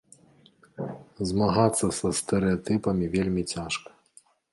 Змагацца са стэрэатыпамі вельмі цяжка.